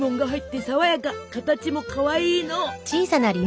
形もかわいいの！